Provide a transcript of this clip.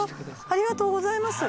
ありがとうございます。